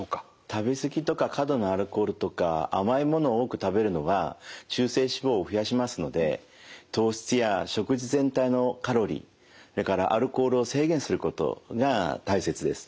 食べ過ぎとか過度のアルコールとか甘いものを多く食べるのは中性脂肪を増やしますので糖質や食事全体のカロリーそれからアルコールを制限することが大切です。